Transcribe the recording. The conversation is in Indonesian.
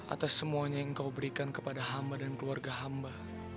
atas semuanya yang kau berikan kepada hamba dan keluarga hamba